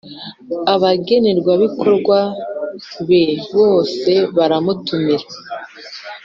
Abagenerwabikorwa be bose baratumiwe.